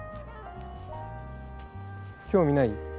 興味ない？